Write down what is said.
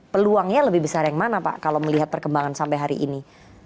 peluangnya lebih besar yang mana pak kalau melihat perkembangan sampai hari ini